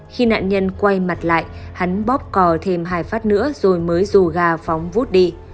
khi nạn nhân quay mặt lại hắn bóp cò thêm hai phát nữa rồi mới rù gà phóng vút đi